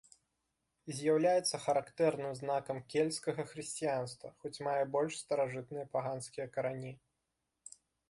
З'яўляецца характэрным знакам кельцкага хрысціянства, хоць мае больш старажытныя паганскія карані.